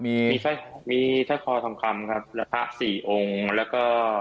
มีช่ายคอสำคัญครับราคา๔องค์แล้วก็